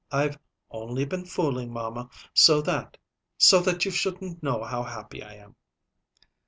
I've only been fooling, mamma, so that so that you shouldn't know how happy I am."